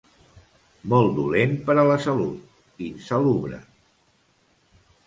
Molt dolent per a la salut, insalubre.